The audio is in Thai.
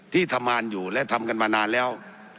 ที่ทำงานอยู่และทำกันมานานแล้ว